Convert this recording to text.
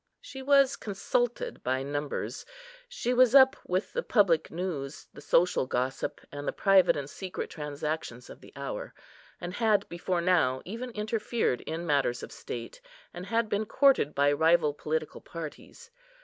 She was consulted by numbers; she was up with the public news, the social gossip, and the private and secret transactions of the hour; and had, before now, even interfered in matters of state, and had been courted by rival political parties.